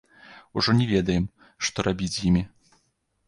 Ужо не ведаем, што рабіць з імі.